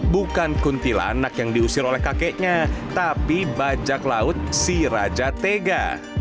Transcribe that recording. bukan kuntilanak yang diusir oleh kakeknya tapi bajak laut si raja tega